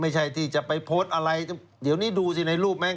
ที่จะไปโพสต์อะไรเดี๋ยวนี้ดูสิในรูปไหม